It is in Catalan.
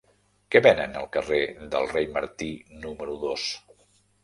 Què venen al carrer del Rei Martí número dos?